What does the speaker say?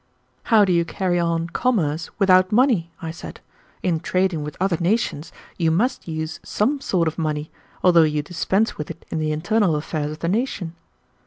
"How do you carry on commerce without money?" I said. "In trading with other nations, you must use some sort of money, although you dispense with it in the internal affairs of the nation."